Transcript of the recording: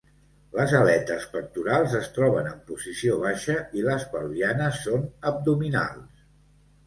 Les aletes pectorals es troben en posició baixa i les pelvianes són abdominals.